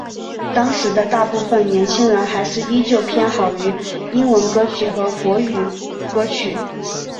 当时的大部份年轻人还是依旧偏好于英文歌曲和国语歌曲。